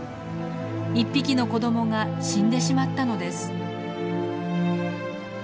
１匹の子どもが死んでしまったのです。